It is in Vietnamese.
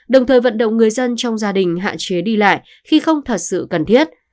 đồng thời vận động người dân trong gia đình hạn chế đi lại khi không thật sự cần thiết